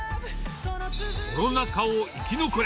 コロナ禍を生き残れ！